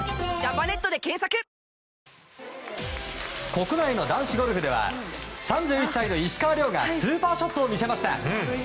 国内の男子ゴルフでは３１歳の石川遼がスーパーショットを見せました！